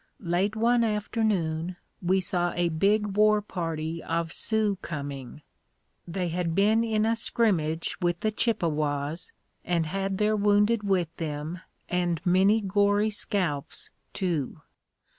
Late one afternoon, we saw a big war party of Sioux coming. They had been in a scrimmage with the Chippewas and had their wounded with them and many gory scalps, too.